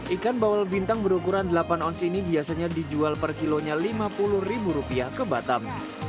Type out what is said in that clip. ikan bawal bintang berukuran delapan ons ini biasanya dijual per kilonya lima puluh ribu rupiah ke batam